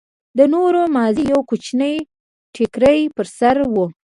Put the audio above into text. د نورو مازې يو کوچنى ټيکرى پر سر و.